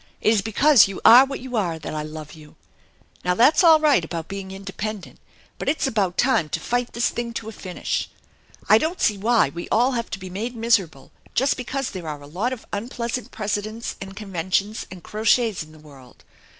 It is because you are what you are that I love you. Now that's all right about being inde pendent, but it's about time to fight this thing to a finish. I don't see why we all have to be made miserable just because there are a lot of unpleasant precedents and conventions and crochets in the world.